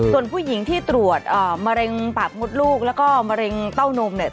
ส่วนผู้หญิงที่ตรวจมะเร็งปากมดลูกแล้วก็มะเร็งเต้านมเนี่ย